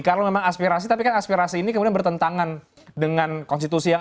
karena memang aspirasi tapi kan aspirasi ini kemudian bertentangan dengan konstitusi yang